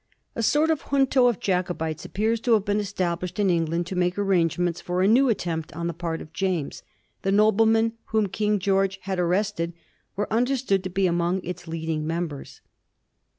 A sort of junto of Jacobites appears to have been established in England to make arrangements for a new attempt on the part of James ; the noblemen whom King George had arrested were understood to be among its leading members.